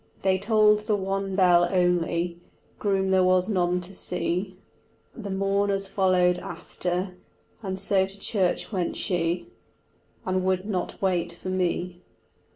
They tolled the one bell only, Groom there was none to see, The mourners followed after, And so to church went she, And would not wait for me.